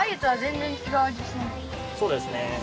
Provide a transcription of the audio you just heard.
そうですね。